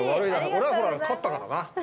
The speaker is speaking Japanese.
俺は勝ったからな。